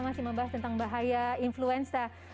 masih membahas tentang bahaya influenza